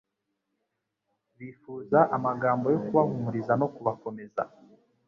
Bifuza amagambo yo kubahumuriza no kubakomeza.